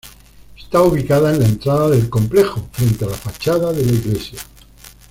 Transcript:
Está ubicada en la entrada del complejo, frente a la fachada de la iglesia.